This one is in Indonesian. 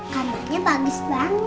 kamarnya bagus banget